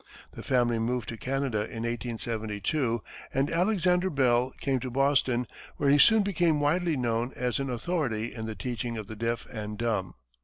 The family moved to Canada in 1872, and Alexander Bell came to Boston, where he soon became widely known as an authority in the teaching of the deaf and dumb.